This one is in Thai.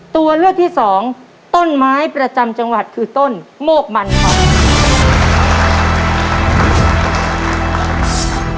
ตัวเลือกที่สองต้นไม้ประจำจังหวัดคือต้นโมกมันครับ